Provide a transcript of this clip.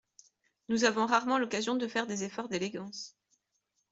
Nous avons rarement l’occasion de faire des efforts d’élégance.